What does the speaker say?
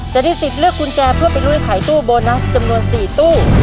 จะได้สิทธิ์เลือกกุญแจเพื่อไปลุยขายตู้โบนัสจำนวน๔ตู้